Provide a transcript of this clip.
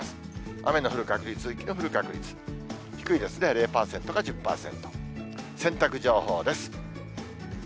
雨の降る確率、雪の降る確率、低いですね、０％か１０％。